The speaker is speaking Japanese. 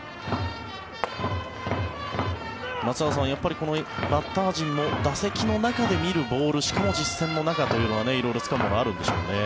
松坂さん、このバッター陣も打席の中で見るボールしかも実戦の中というのは色々つかむものがあるんでしょうね。